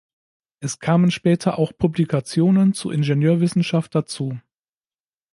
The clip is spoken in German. Es kamen später auch Publikationen zur Ingenieurwissenschaft dazu.